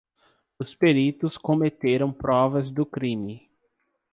Os peritos cometeram provas do crime.